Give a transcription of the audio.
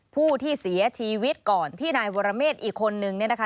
ผู้ที่เสียชีวิตก่อนที่นายวรเมฆอีกคนนึงเนี่ยนะคะ